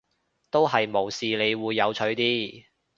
都係無視你會有趣啲